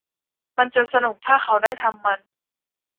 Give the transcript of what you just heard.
มันจะสนุกถ้าเขาได้ทำมัน